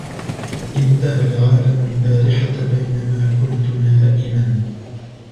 انتهى العالم البارحة بينما كنت نائما.